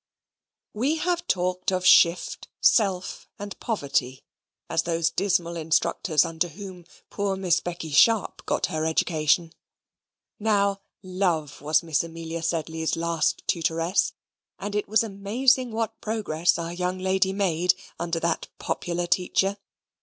We have talked of shift, self, and poverty, as those dismal instructors under whom poor Miss Becky Sharp got her education. Now, love was Miss Amelia Sedley's last tutoress, and it was amazing what progress our young lady made under that popular teacher.